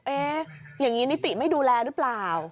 เอ๊ะอย่างนี้นิติไม่ดูแลรึเปล่า